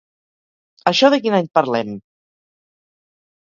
Això de quin any parlem?